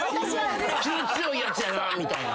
気ぃ強いやつやなみたいな。